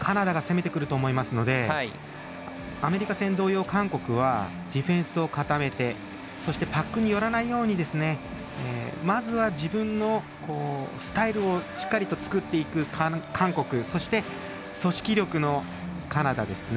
まずは、やはりカナダが攻めてくると思いますのでアメリカ戦同様韓国はディフェンスを固めてそしてパックによらないようにまずは自分のスタイルをしっかりと作っていく韓国。